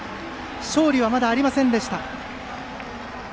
勝利はまだありませんでした。